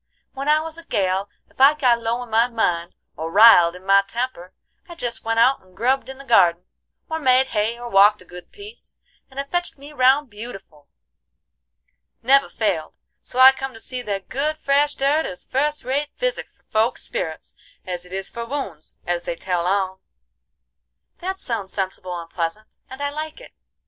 When I was a gal, ef I got low in my mind, or riled in my temper, I jest went out and grubbed in the gardin, or made hay, or walked a good piece, and it fetched me round beautiful. Never failed; so I come to see that good fresh dirt is fust rate physic for folk's spirits as it is for wounds, as they tell on." "That sounds sensible and pleasant, and I like it.